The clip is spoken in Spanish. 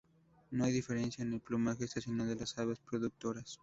No hay diferencia en el plumaje estacional de las aves reproductoras.